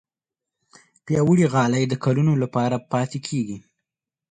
پیاوړې غالۍ د کلونو لپاره پاتې کېږي.